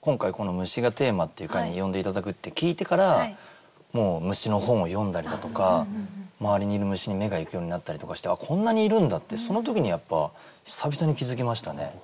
今回この「虫」がテーマっていう回に呼んで頂くって聞いてから虫の本を読んだりだとか周りにいる虫に目がいくようになったりとかしてこんなにいるんだってその時にやっぱ久々に気付きましたね。